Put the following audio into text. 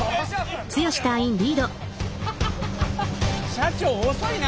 社長遅いな。